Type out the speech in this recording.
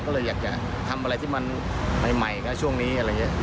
ก็เลยอยากจะทำอะไรที่มันใหม่กับช่วงนี้แล้ว